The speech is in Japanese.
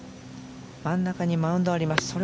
真ん中にマウンドあります